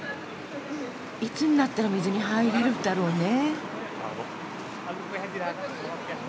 いつになったら水に入れるんだろうね？